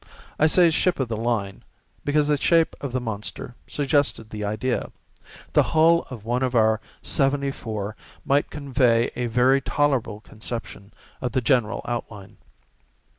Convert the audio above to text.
I say ship of the line, because the shape of the monster suggested the idea—the hull of one of our seventy four might convey a very tolerable conception of the general outline.